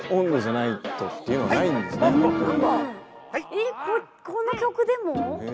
えっこの曲でも？